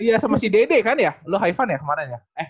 iya sama si dede kan ya lu haivan ya kemarin ya eh